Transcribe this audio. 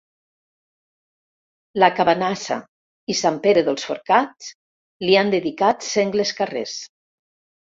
La Cabanassa i Sant Pere dels Forcats li han dedicat sengles carrers.